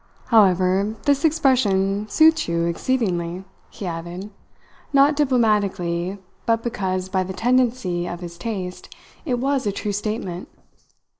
"However, this expression suits you exceedingly," he added, not diplomatically, but because, by the tendency of his taste, it was a true statement.